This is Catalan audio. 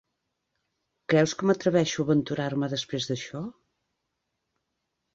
Creus que m'atreveixo a aventurar-me després d'això?